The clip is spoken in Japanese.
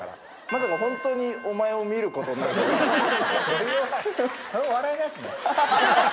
まさかホントにお前を見ることになるとは。